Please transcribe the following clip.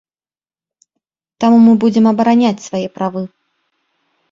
Таму мы будзем абараняць свае правы.